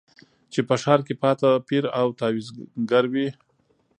چي په ښار کي پاته پیر او تعویذګروي